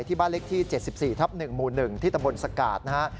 ที่บ้านเล็กที่๗๔ทับ๑หมู่๑ที่ตำบลสกาดนะฮะ